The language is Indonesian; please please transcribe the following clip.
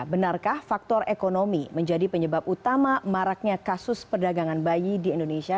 benarkah faktor ekonomi menjadi penyebab utama maraknya kasus perdagangan bayi di indonesia